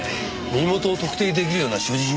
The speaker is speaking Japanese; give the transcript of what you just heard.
身元を特定出来るような所持品は？